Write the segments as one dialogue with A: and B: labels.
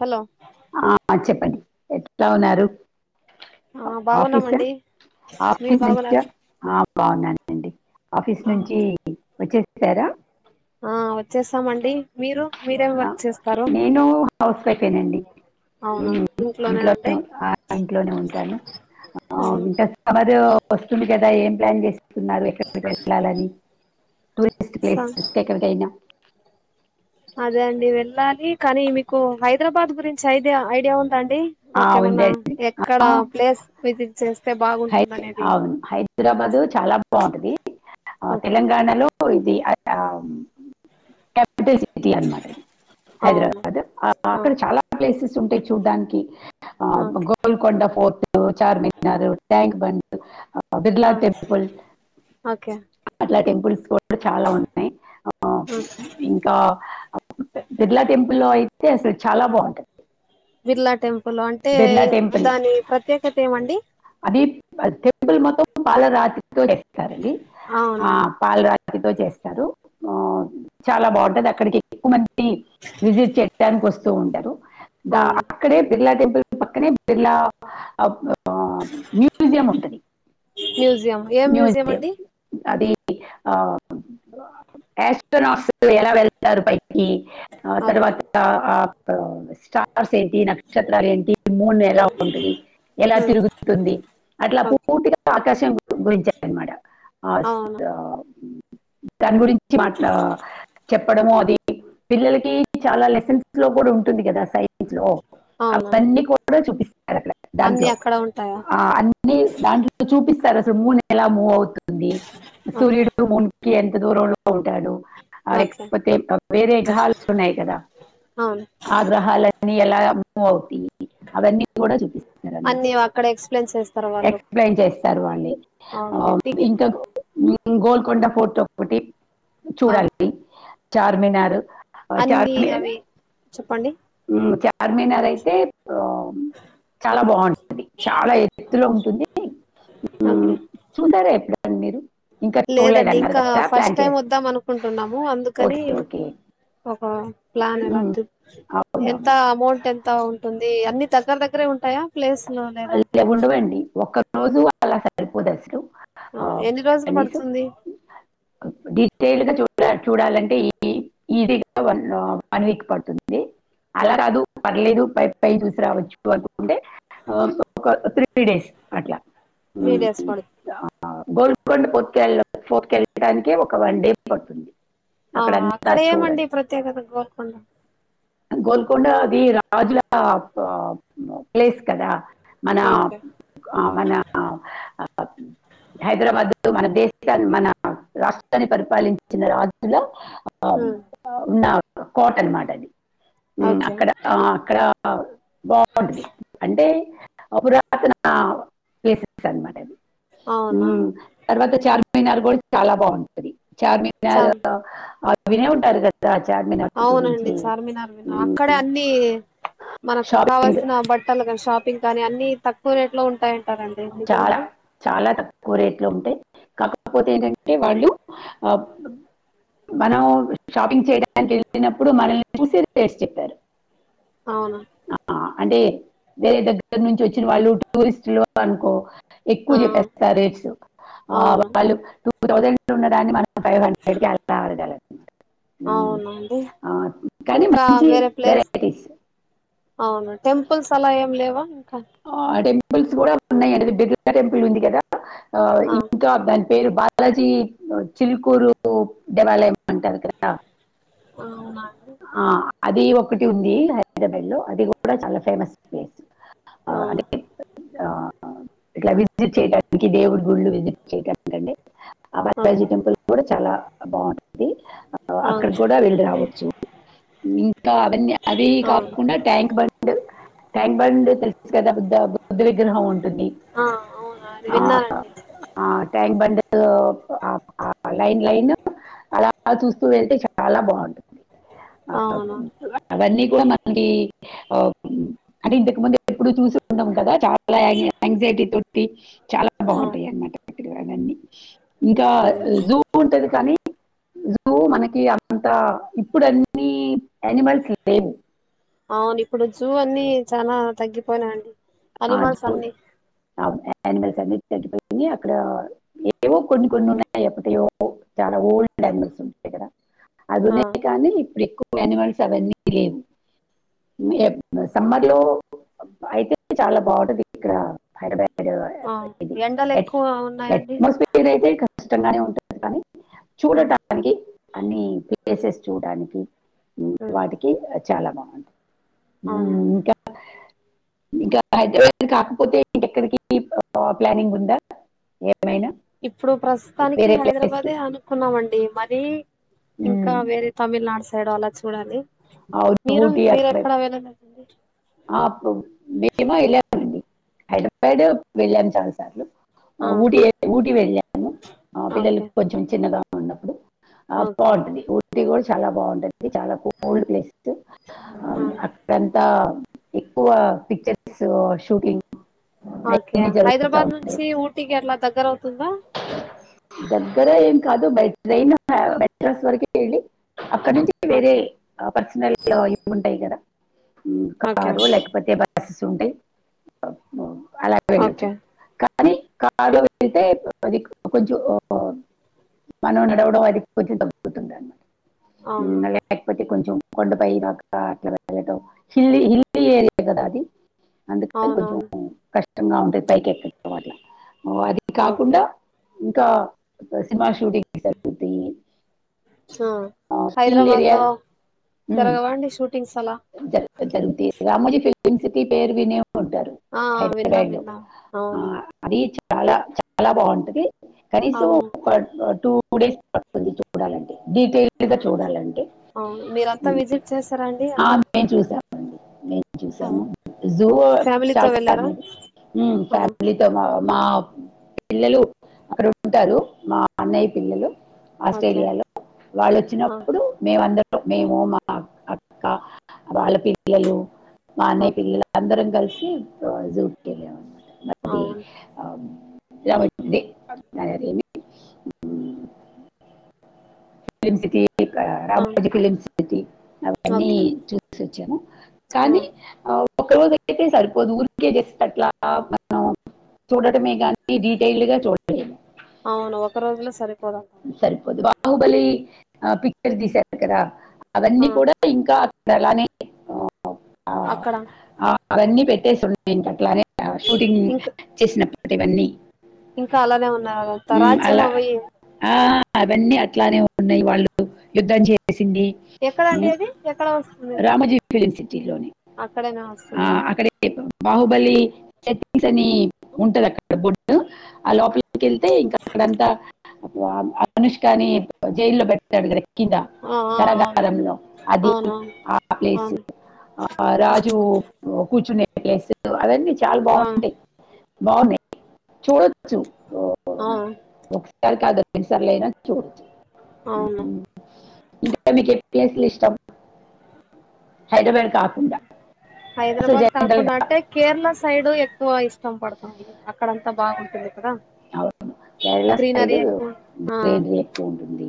A: Hello
B: ఆ చెప్పండి ఎట్లా ఉన్నారు
A: ఆ
B: ఆఫీసా
A: బాగున్నామండి మీరు
B: ఆఫీస్ నుంచి
A: బాగున్నారు
B: ఆ బాగున్నానండి ఆఫీస్
A: ఆ
B: నుంచి వచ్చే వచ్చారా
A: ఆ వచ్చేస్తామండి. మీరు? మీరేం
B: ఆ
A: వర్క్ చేస్తారు
B: నేను హౌస్ వైఫేనండి.
A: అవునా
B: హ్ ఇంట్లోనే
A: ఇంట్లోనేనండి
B: ఆ ఇంట్లోనే ఉంటాను. ఆ
A: అవును
B: ఇంకా సమ్మరు వస్తుంది కదా ఏం ప్లాన్ చేస్ స్తున్నారు ఎక్కడికి వెళ్ళాలని టూరిస్ట్
A: స
B: ప్లేసెస్ ఎక్కడికైనా
A: అదే అండి వెళ్ళాలి కానీ మీకు హైదరాబాద్ గురించి ఐడియా ఐడియా ఉం దా అండి.
B: ఆ,
A: మాకేమన్నా
B: ఉందండి
A: ఎక్కడ
B: ఆ,
A: ప్లేస్ విజిట్ చేస్తే
B: హై
A: బాగుంటుంది అనేది.
B: అవును హైదరాబాద్ చాలా బావుంటది. ఆ
A: ఓకే
B: తెలంగాణలో ఇది ఆ క్యప్ టల్ సిటీ అనమాట ఇది
A: అవును
B: హైదరాబాద్.
A: ఆ
B: అక్కడ చాలా ప్లేసెస్ ఉంటయి చూడ్డానికి. ఆ
A: okay
B: Golconda fort, Charminar, tank బండు అ
A: ఆ
B: బిర్లాటెంపుల్
A: ఓకే
B: అట్లా టెంపుల్స్ కూ డ చాలా ఉన్నయి. ఆ ఇంకా బిర్లా టెంపుల్లో అయి తే అసలు చాలా బావుంటది.
A: బిర్లా టెంపుల్ అంటే
B: బిర్లా టెంపుల్
A: దాని ప్రత్యేకత ఏమండి.
B: అది టెంపుల్ మొత్తం పాలరాతితో కట్టారండి ఆ
A: అవునండి
B: పాలరా తితో చేస్తారు. ఆ చాలా బావుంటది అక్కడికి ఎక్కువ మంది టి విజిట్ చేయడానికి వస్తూ ఉంటారు గా
A: అవును
B: అక్కడే బిర్లా టెంపు ల్ పక్కనే బిర్లా ఆ మ్యూజియం ఉంటది.
A: మ్యూజియం ఏ
B: మ్యూజియం
A: అండి
B: అది ఆ ఆస్ట్రోనాట్స్ ఎలా వెళ్తారు పై కి ఆ
A: ఓకే
B: తర్వాత ఆ స్టా ర్స్ ఏంటి, నక్షత్రాలు ఏంటి, మూన్ ఎలా ఉంటది, ఎలా తిరుగు తుంది. అట్లా
A: ఓకే
B: పూర్తిగా ఆకాశం గురించే అనమాట ఆ
A: అవును
B: దాని గురించి మాట్ చెప్పడము అది పిల్లలకి చాలా లెసన్స్ లో కూడా ఉంటుంది కదా సైన్స్ లో
A: అవునవును
B: అవన్నీ కూడా చూపిస్
A: అన్ని అక్కడ ఉం
B: ఆ అన్ని దాంట్లో చూపిస్తరు అసలు మూన్ ఎలా మూవ్ అవు తుంది.
A: ఓకే
B: సూర్యుడు మూన్ కి ఎంత దూరంలో ఉంటాడు. అ
A: ఓకే
B: లేకపోతే వేరే గ్రహాలు ఉన్నాయి కదా.
A: అవును
B: ఆ గ్రహాలన్నీ ఎలా మూవ్ అవుతయి అవన్నీ కూడా చూపిస్
A: అన్నీ అక్కడ ఎక్స్
B: ఎక్స్ ప్లెయిన్ చేస్తారు వాళ్ళే
A: ఓకే
B: ఆ
A: టికె
B: ఇంకా గోల్కొండ ఫోర్ట్ ఒకటి చూడాలి, చార్మినార్ ఆ
A: అన్ని
B: చార్మినార్
A: అవి చెప్పండి
B: హ్ చార్ చార్మినార్ అయితేప్పుడు చాలా బావుంటది. చాలా ఎత్తులో ఉంటుంది. హ్
A: ఓకే
B: చూశారా ఎప్పుడైనా మీరు? ఇంకా
A: లేదండి
B: చూడలేదన్నారు
A: ఇంకా
B: కదా
A: ఫస్ట్
B: ప్లాన్
A: టైం
B: చేస్తున్నారు
A: వద్దాం అనుకుంటున్నాము అందుకని
B: ఓకే ఓకే
A: ఆ ప్లాన్
B: ఉమ్,
A: ఎలాతు ఎంత
B: అవునవును
A: అమౌంట్ ఎంత ఉంటుంది. ది అన్ని దగ్గర దగ్గరే ఉంటాయా. ప్లేస్లు లేదంటే
B: అలాగ ఉండవండి. ఒక్క రోజు అలా సరిపోదు అసలు.
A: ఆ ఎన్ని రోజులు
B: కనీసం
A: పడుతుంది?
B: డీటెయిల్డ్ గా చూడ చూడాలంటే ఈ ఈజీగా వన్ వన్ వీక్ పడుతుంది. ది అలా
A: ఓకే
B: కాదు పర్లేదు పై పై చూసి రావచ్చు అనుకుంటే ఆ ఒక త్రీ డేస్ అట్లా ఉమ్,
A: త్రీడేస్ పడు
B: ఆ, గోల్కొండ ఫోర్ట్ కె ఫోర్ట్కెల్లడానికి ఒక వన్ డే పడుతుంది.
A: అ
B: అంతా
A: అక్కడ ఏమండి
B: చూడడం
A: ప్రత్యేకత గోల్కొండా?
B: గోల్కొండ అది రాజుల ఆ ఆ ప్లేస్ కదా. మన
A: ఓకే
B: ఆ మన ఆ హైదరాబాద్ మన దేశ మన రాష్ట్రాన్ని పరిపాలించిన రాజుల
A: హ్మ్. ఓకే
B: [unintelligible] బాగుంటది అంటే పురాతన ప్లేసెస్ అనమాట అది
A: అవునా
B: తర్వాత చార్మినారు కూడ చాలా బాగుంటది
A: చ
B: చార్మినరూ అ వినే ఉంటారు కదా ఆ చార్మినార్ గురించి ఉమ్,
A: అక్కడ అన్ని మనకు
B: షాపింగ్
A: కావల్సిన బట్టలు కానీ షాపింగ్ కానీ అన్ని తక్కువ రేట్ లో ఉంటాయండి [unintelligible]
B: కోరేట్లు ఉంటాయి కాకపోతే ఏంటంటే వాళ్ళు ఆ మనం షాపింగ్ చేయడానికి వెళ్ళినప్పుడు మనల్ని చూసి రేస్ చెప్పారు
A: అవునా
B: ఆ అంటే వేరే దగ్గర నుంచి వచ్చిన వాళ్ళు టూరిస్టులు అనుకో ఎక్కువ
A: ఆ
B: చెప్పేస్తారు రేట్స్ ఆ
A: అవును
B: వాళ్ళు టూ థౌజండ్ ఉన్నదాన్ని మన ఫైవ్ హండ్రెడ్ కి అలా [unintelligible] ఉమ్,
A: అవునండి
B: ఆ, కానీ
A: ఇంకా
B: మంచి
A: వేరే ప్లేస్
B: వెరైటీస్
A: అవును టెంపుల్స్ అల ఏం లేవ
B: ఆ టెంపుల్స్ కూడ ఉన్నాయి అండి [unintelligible] టెంపుల్ ఉంది కదా ఆ ఇంకా దాని పేరు బాలాజీ చిల్కూరు [unintelligible] అ కదా
A: అవున
B: ఆ అది ఒకటి ఉంది హైదరాబాద్ లో అది కూడ చాల ఫేమస్ ప్లేస్
A: ఆ
B: [unintelligible] ఇట్లా విజిట్ చేయడాానికి దేవుడి గుళ్ళు విజిట్ చేయడానికి అండి ఆ బాలరాజీ
A: ఓకే
B: టెంపుల్ కూడా చాలా బాగుంటంది ఆ అక్కడ
A: ఓకే
B: కూడా వీళ్ళు రావచ్చు ఇంకా అవన్నీ అవి
A: అవును.
B: కాకుండ ట్యాంక్ బండు [unintelligible] కదా బుద్ధ విగ్రహం ఉం
A: ఆ ఆ అవునా విన్నానండి
B: ట్యాంక్ బండ లైన్ లైన్ అల చూస్తూ వెళ్తే చాల బాటుంది
A: అవునా
B: ఆంటీ అ అంటే ఇంతకు ముందు ఎప్పుడు చూసి ఉండం కదా చాలా ఎంగ్జైటీతో ట్టి చాలా
A: ఆ
B: బాగుంటాయి అనమాట అక్కడ అని ఇంకా
A: అవును
B: జూ ఉంట ది కానీ జూ మనకి అంతా ఇప్పుడు అన్ని యానిమల్స్ లేవు
A: అవును ఇప్పుడు జూ అన్ని చాలా తగ్గిపోయినాయి అండి అనిమల్స్ అన్ని
B: అనిమల్స్ అన్ని తగ్గిపోయినాయి అక్కడ ఏవో కొన్నికొన్ని ఉన్నాయి ఏప్పటివో ఓల్డ్ వన్నీ అనిమల్స్ ఉంటాయి కదా అవి
A: ఆ
B: ఉన్నాయి కానీ ఇప్పుడు ఎక్కువ అనిమల్స్ అవన్నీ లేవు సమ్మర్ లో అయితే చాలా బాగుంటది ఇక్కడ హైదరాబాద్
A: ఆ
B: ఇది
A: ఎండలు
B: ఎట్
A: ఎక్కువ ఉన్నాయండి
B: ఎట్మాస్పియర్ అయితే క కష్టంగానే ఉంటుంది కానీ
A: ఆ
B: చూడటానికి అన్ని ప్లేసెస్ చూడడానికి
A: ఉమ్
B: వాటికి చాల బాగుంటంది యు
A: అవును
B: ఇంకా ఇంకా హైదరాబాద్ కాకపోతే ఇంకా ఎక్కడికి ప్లానింగ్ ఉందా ఏమైనా
A: ఇప్పుడు ప్రస్తుతానికి
B: వేరే ప్లేస్ కి
A: హైదరాబాదే అనుకున్నామండి మరీ ఇంకా
B: ఉమ్,
A: వేరే తమిళనాడు సైడు అలా చూడాలి
B: అవును
A: మీరు
B: ఊటీ అక్కడ
A: మీరెక్కడ వెళ్ళలేదండి
B: ఆపు మేము వెళ్ళామండి హైదరాబాద్ వెళ్ళాము చాలు సార్లు
A: ఆ
B: ఊటీ ఊటీ వెళ్ళాము ఆ పిల్లల
A: ఓకే
B: కొంచెం చిన్నగా ఉన్నప్పుడు ఆ
A: ఓకే
B: బాగుంటది ఊటీ కూడా చాలా బాగుంటది చాల కోల్డ్ ప్లేస్
A: ఆ
B: అక్కడంతా ఎక్కువ పిక్చర్స్ షూటింగ్
A: ఓకే
B: అవన్నీ జరుగుతూ
A: హైదరాబాద్
B: ఉంటాయి
A: నుంచి ఊటీకి ఎట్లా దగ్గరవుతుందా
B: దగ్గర ఏం కాదు బై ట్రైన్ మెట్రస్ వరకి వెళ్ళి అక్కడ నుంచి వేరే
A: ఓకే
B: పర్సనల్ ఇ ఉంటాయి కదా
A: ఓకే
B: కారు లేకపోతే బస్సెస్ ఉంటే అలాగ వెళచ్చు
A: ఓకే
B: కా కానీ కారు లో వెళ్తే అది కొంచెం మనం నడవడం అది కొంచెం తగ్గుతుంది
A: అవును
B: అనీ లేకపోతే కొంచెం కొండపై నాక అట్లా వెళ్ళట హిల్లీ హిల్లీ ఏరియా కదా అది అందుకని కొంచెం
A: అవునవును
B: కష్టంగా ఉంటయి పైకి ఎక్కడం వాట్ల వా
A: ఓకే
B: కాకుండా ఇంకా సింహ
A: హా
B: హిల్
A: హైదరాబాద్
B: ఏరియా
A: లో జరగవా అండి షూటింగ్
B: జరుగు త జరుగు తయి రామోజీ ఫిలిమ్ సిటీ పేరు వినే ఉంటారు
A: ఆ విన్నాం
B: హైదరాబాద్ లో
A: విన్నాం
B: ఆ
A: అవును
B: అది చా చాలా చాలా బాగుంటది కనీసం
A: అవును
B: ఒక టూ టూ డేస్ పడుతుంది చూడాలంటే డీటెయిల్డ్ గా చూడాలంటే
A: అవును మీరంతా
B: హ్మ్
A: విజిట్ చేసారా అండి
B: ఆ
A: అక్కడ
B: మేము చూసామండి మేం
A: ఆ,
B: చూసాము జూ
A: ఫ్యామిలీతో
B: చాలా
A: వెళ్ళారా
B: బాగుంది హ్మ్
A: ఆ
B: ఫ్యామిలీతో మా పిల్లలు అక్కడ ఉంటారు మా అన్నయ్య పిల్లలు
A: ఓకే
B: ఆస్ట్రేలియాలో వాళ్ళు
A: ఆ
B: వచ్చినప్పుడు మేమందరం మేము మా అక్క కా వాళ్ళ పిల్లలు, మా అన్నయ్య
A: ఓకే
B: పిల్లలు అందరం కలిసి జూ కెళ్ళే వాళ్ళము
A: అవున
B: [unintelligible] ఫ్రెండ్స్ కి
A: ఆ
B: రామోజీ ఫిలింసిటీ అవన్నీ
A: ఓకే
B: చూసి వచ్చాము
A: ఆ
B: కానీ ఆ ఒక రోజు అయితే సరిపోదు ఉరికే చేస్తే అట్లా మనం చూడటమే గాని డిటెయిల్డ్ గా చోడలేదు
A: అవును ఒక రోజు లో సరే
B: సరిపోదు బాహుబలి ఆ పిక్చర్ తీశారు కదా
A: ఆ
B: అవన్నీ కూడా ఇంకా అలానే హుమ్
A: అక్కడ
B: హ అవన్నీ పెట్టేసి ఉన్నాయి ఇంక అట్లానే షూటింగ్
A: ఇంక
B: చేసినప్పటివన్నీ
A: ఇంకా అలానె ఉన్నారు తరాజ్యం
B: అలా
A: అవి
B: ఆ అవన్నీ అట్లానే ఉన్నాయి వాళ్ళు యుద్ధం చే సింది
A: ఎక్కడండి
B: హుమ్
A: అది ఎక్కడ వస్తుంది
B: రామోజీ లోనె
A: అక్కడేనా
B: ఆ
A: వస్తుందా
B: అక్కడే బాహుబలి సెట్టింగ్స్ అని ఉంటది అక్కడ బొటు ఆ లోపలికెళ్తే ఇంకా అక్కడంతా వామ్ అనుష్కాని జైల్లో పెట్టాడు గదా కిదా
A: ఆ ఆ అవును
B: కరగారంలో అది
A: అవునవును
B: ఆ ప్లేసు
A: అవును
B: ఆ రాజూ కూచునె ప్లేసు అవన్నీ చాలా
A: ఆ
B: బాగుంటాయి బావున్నాయి చూడచ్చు ఓ
A: అవును
B: ఒకసారి కాదు ఎన్ని సార్లయినా చూడచ్చు
A: అవును
B: ఇంకా మీకు ఏ ప్లేస్ లు ఇష్టం హైడ్రాబ్యాడ్ కాకుండా అసలు
A: హైదరబాద్
B: జనరల్
A: కాకుండా
B: గా
A: అంటే కేరళ సైడు ఎక్కువ ఇష్టం పడ్ అక్కడంత బాగుంటుంది కదా
B: అవును కేరళ సైడు
A: గ్రీనరీ ఎక్కువ ఆ
B: గ్రేనరీ ఎక్కువుంటుంది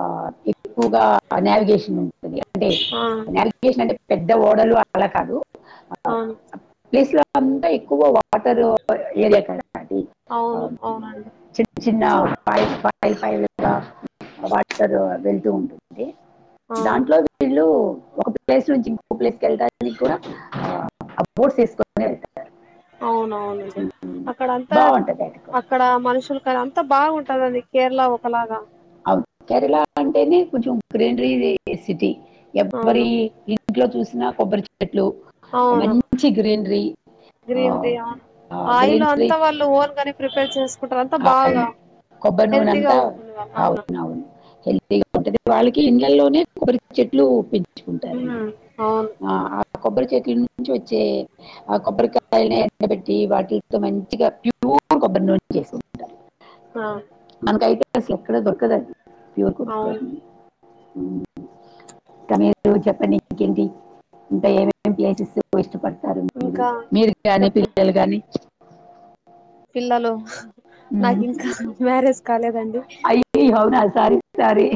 B: ఆ ఎక్కువగా నావిగేషన్ ఉంటది అంటే
A: ఆ
B: నావిగేషన్ అంటే పెద్ద ఓడలు అలా కాదు
A: అవును
B: ప్లేస్ లో అంతా ఎక్కువ వాటరు ఏరియా కదా అది అవును చిన్న చిన్న
A: చూ
B: పైప పై పై [unintelligible] వాటర్ వెళ్తూంటది
A: అవును
B: దాంట్లో వీల్లూ ఒక ప్లేస్ నుంచి ఇంకొ ప్లేస్ కెళ్ళడానికి కూడా ఆ.... ఆ బోర్డ్స్ ఏసుకునే వెల్
A: అవునవునండి అక్కడంతా
B: బాగుంటది అది కూడా
A: అక్కడ మనుషులు కాని అంత బాగుంటాదండి కేరళ ఒకలాగ
B: అవును కేరళ అంటేనే కొంచం గ్రీనరీ సిటీ ఎవ్వరీ
A: అవును
B: ఇ ఇంట్లో చూసిన కొబ్బరి చెట్లు మంచి greenery
A: greenery oil
B: greenery
A: అంతా వాళ్ళు ఓన్ గానే ప్రిపేర్ చేసుకుంటరు అంతా బాగా
B: అవును కొబ్బరి
A: హెల్తీగా
B: నూనంతా
A: ఉంటుంది వాళ్ళ అవును
B: అవునవును హెల్తీగా ఉంటది వాళ్ళకి ఇండ్లలోనే కొబ్బరి చెట్లు పెన్ చుకుంటారండి
A: ఉమ్ అవును
B: ఆ కొబ్బరి చెట్లు నుంచి వచ్చే ఆ కొబ్బరికాయల్ని ఎండబెట్టి వాటిల్తో మంచిగా ప్యూ ప్యూర్ కొబ్బరి నూనె చేసుకుంటారు
A: హ
B: మాకైతే అసలు ఎక్కడ దరకదండి
A: అవును
B: హ్మ్ ఇంక మీరు చెప్పండి ఇంకేంటి ఇంకా ఏమేమి ప్లేసెస్ ఇష్టపడ్ తారు మీరు
A: ఇంకా
B: మీరు కానీ
A: చెప్పు
B: పిల్లలు కానీ
A: పిల్లలు నాకింకా మ్యారేజ్ కాలేదండి
B: అయ్యయ్యో అవునా సారి సారి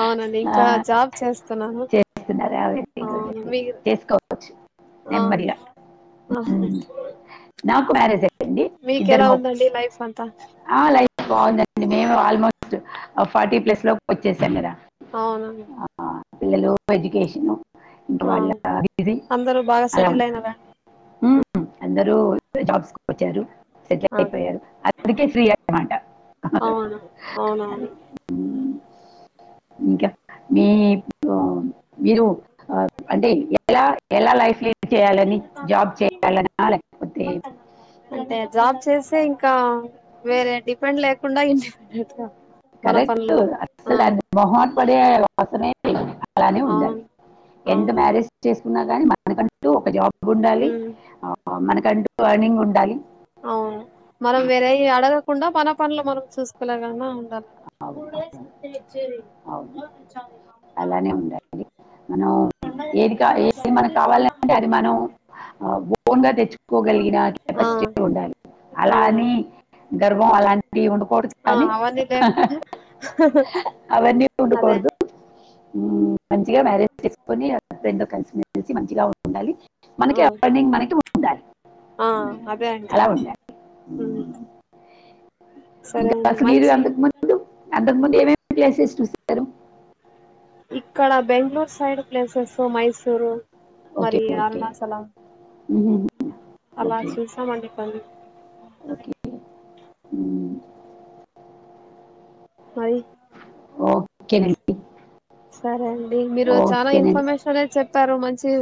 A: అవునండి ఇంకా జాబ్ చేస్తున్నాను
B: చేస్తున్నారా వెరీ గుడ్
A: అవును
B: వెరీ గుడ్
A: మీరు
B: చేసుకోవచ్చు
A: ఆ
B: నెమ్మదిగా ఉమ్. నాకు మ్యారేజ్ అయ్యింది ఇద్దరు
A: మీకెలా
B: మొ
A: ఉందండి లైఫ్ అంతా
B: ఆ లైఫ్ బాగుందండి మేము ఆల్మోస్ట్ ఫార్టీ ప్లస్ లో వచ్చేసాం కదా
A: అవునోను
B: ఆ, పిల్లలు ఎడ్యుకేషన్ ఇకా
A: ఆ
B: వాళ్ళ ఇది
A: అందరూ బాగా
B: అలా
A: సెటిల్ అయినారా అండి
B: హ్మ్ అందరూ జాబ్స్ వచ్చారు సెటిల్
A: ఓకే
B: అయిపోయారు అందురికే ఫ్రీ అన్నమాట
A: అవును అవునవును
B: అది ఉమ్, ఇంకా మీ మీరు అంటే ఎలా ఎలా లైఫ్ లే చేయాలని జాబ్ చేయాల లేకపోతే
A: చేసే ఇంకా వేరే డిపెండ్ లేకుండా ఇండిపెండెంట్ గా మన
B: కరెక్ట్
A: పనులు
B: అస
A: ఆ
B: అ మొహాట్ పడె అవసరం ఇ లెదు అలానే ఉండాలి
A: అవును
B: ఎంత
A: అవునండి
B: మ్యారేజ్ చేసుకున్నా కానీ మనకంటూ ఒక జాబ్ బ్ ఉండాలి
A: ఉమ్
B: ఆ మనకంటూ అర్నింగ్ ఉండాలి
A: అవును మనం వేరే అడగకుండా మన పనులు మనం చూసుకోలాగానే
B: అవును, అవును, అలానే ఉండాలి మనం ఏది కా ఏది మనకు కావాల అంటే అది మనం బఓన్ గా తెచ్చుకోగలిగిన
A: ఆ
B: ఫస్ట్ ఉండాలి అలానే
A: అవునండి
B: గర్వం అలాంటి ఉండుకూడదు
A: ఆ
B: కానీ
A: అవన్నీ లేకుండా
B: అవన్నీ ఉండుకడు
A: అదే
B: మంచిగా మ్యారేజ్ చేసుకొని హుస్బేడ్ తో కలిసిమెలసి మంచిగా ఉంటండాలి
A: ఆ
B: మనకి ఎర్నింగ్ మనకి ఉండాలి
A: ఆ అదే అండి
B: అలా ఉండాలి
A: సరే
B: ఇంకా
A: అండి
B: అసలు మీరు
A: మంచి
B: అకు ముందు అంతకు ముందు ఏమేమి ప్లేసెస్ చూస్తారు
A: ఇక్కడ Bengaluru side places Mysuru
B: okay
A: మరి
B: ఓకే
A: అరుణాచలం
B: మ్మ్.
A: అలా
B: ఓకే
A: చూసామండి పని
B: మ్
A: మరి
B: ఓకేనండి
A: సరే అండి మీరు చానా
B: ఓకేనండి
A: ఇన్ఫర్మేషనే చెప్పారు మంచి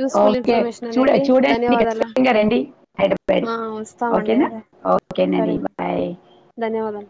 A: యూస్ఫుల్
B: ఓకే
A: ఇన్ఫర్మేషన్
B: చూడ
A: అనేది
B: చూడండి
A: ధన్యవాదాలు
B: ఖచ్చితంగా రండి హైదరాబాద్
A: ఆ వస్తామండి
B: ఓకేనా
A: అదే
B: ఓకే నండి
A: సరే
B: బాయ్
A: ధన్యవాదాలు